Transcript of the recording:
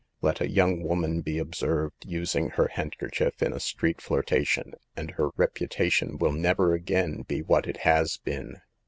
Let a young woman be observed using her handker chief in a street flirtation, and her reputation will never again be what it has been.